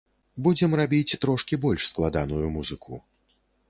Будзем рабіць трошкі больш складаную музыку.